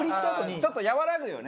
ちょっと和らぐよね。